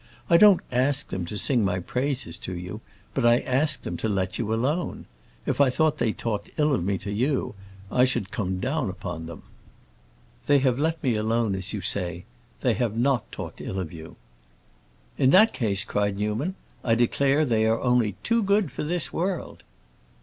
I don't ask them to sing my praises to you, but I ask them to let you alone. If I thought they talked ill of me to you, I should come down upon them." "They have let me alone, as you say. They have not talked ill of you." "In that case," cried Newman, "I declare they are only too good for this world!"